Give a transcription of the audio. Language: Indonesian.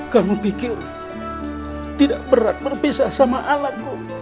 kamu pikir tidak berat berpisah sama alatmu